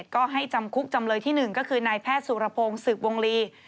ก็ให้จำคุกจำเลยที่๑ก็คือนายแพทย์สุรพงศ์สืบวงลี